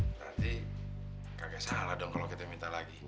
berarti kagak salah dong kalo kita minta lagi